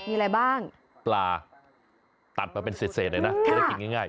มีอะไรบ้างปลาตัดมาเป็นเศษเลยนะจะได้กินง่าย